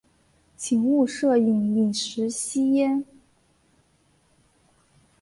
请勿摄影、饮食、吸烟